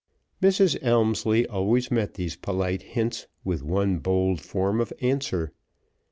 Mrs. Elmslie always met these polite hints with one bold form of answer.